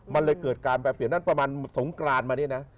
มันเลยเกิดการแปรเปลี่ยนนั้นประมาณสงกรานมาเนี่ยนะ